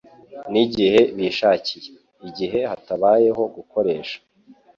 n’igihe bishakiye. Igihe hatabayeho gukoresha